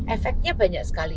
efeknya banyak sekali